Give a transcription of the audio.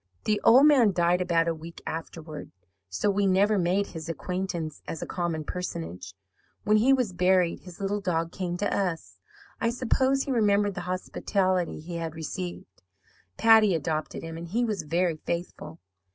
"The old man died about a week afterward, so we never made his acquaintance as a common personage. When he was buried, his little dog came to us. I suppose he remembered the hospitality he had received. Patty adopted him, and he was very faithful.